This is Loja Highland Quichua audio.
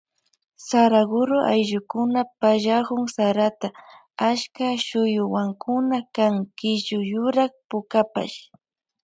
Saraguro ayllukuna pallakun sarata achka shuyuwankuna kan killu yurak pukapash.